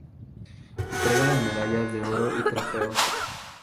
Entrega de medallas de oro y trofeos.